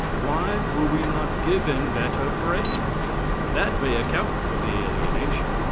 Why were we not given better brains? That may account for the alienation.